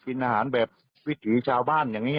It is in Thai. กินอาหารแบบวิถีชาวบ้านอย่างนี้